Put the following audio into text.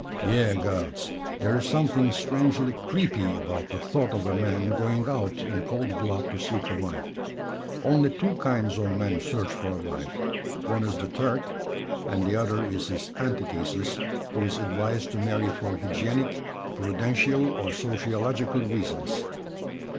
Ye gods! there is something strangely creepy about the thought of a man going out in cold blood to seek a wife. Only two kinds of men search for a wife; one is the Turk, and the other is his antithesis, who is advised to marry for hygienic, prudential or sociologic reasons.